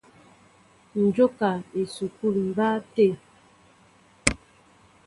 Ǹ jóka esukúlu mbáá tê.